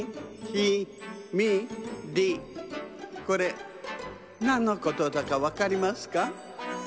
これなんのことだかわかりますか？